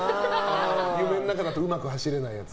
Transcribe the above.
夢の中だとうまく走れないやつ。